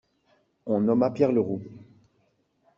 On nomma Pierre Leroux.